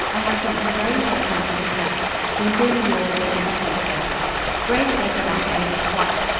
I have something very important to discuss. Sincerely yours, EMMA THOMPSON. Grace read the letter over twice.